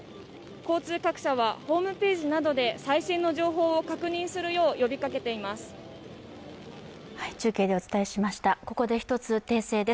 交通各社はホームページなどで最新の情報を確認するよう呼びかけています。